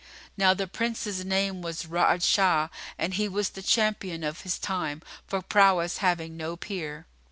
Now the Prince's name was Ra'ad Sháh,[FN#49] and he was the champion of his time, for prowess having no peer.